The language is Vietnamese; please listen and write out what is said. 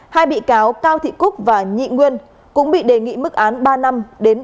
hai bị cáo cao thị cúc và nhị nguyên cũng bị đề nghị mức án ba năm đến